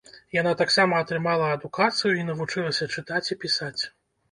Яна таксама атрымала адукацыю і навучылася чытаць і пісаць.